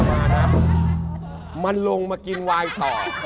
มันลงมากินวายต่อ